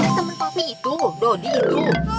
ih temen papi itu dodi itu